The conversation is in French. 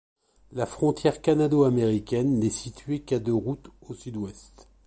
La frontière canado-américaine n'est située qu'à de route au sud-ouest.